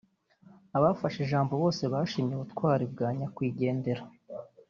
Abafashe ijambo bose bashimye ubutwari bwa nyakwigendera